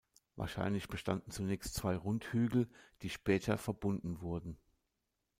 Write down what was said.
Wahrscheinlich bestanden zunächst zwei Rundhügel, die später verbunden wurden.